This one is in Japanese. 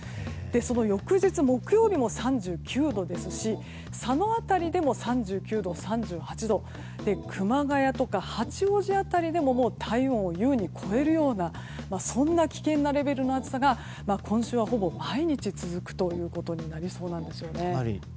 その翌日、木曜日も３９度ですし佐野辺りでも３９度、３８度熊谷とか八王子辺りでも体温を優に超えるようなそんな危険なレベルの暑さが今週は、ほぼ毎日続きそうです。